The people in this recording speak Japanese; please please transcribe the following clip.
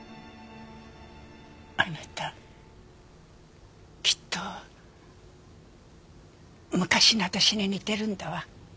あなたきっと昔の私に似てるんだわ。